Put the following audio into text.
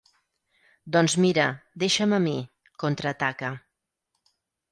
Doncs mira, deixa'm a mi —contraataca—.